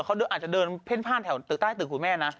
เขาอาจจะเดินเพ่นพ่านแถวตึกใต้ตึกคุณแม่นะ